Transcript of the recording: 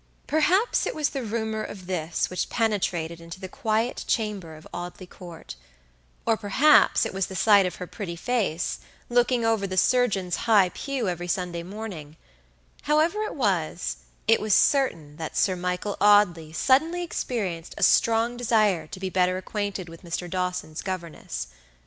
Perhaps it was the rumor of this which penetrated into the quiet chamber of Audley Court; or, perhaps, it was the sight of her pretty face, looking over the surgeon's high pew every Sunday morning; however it was, it was certain that Sir Michael Audley suddenly experienced a strong desire to be better acquainted with Mr. Dawson's governess.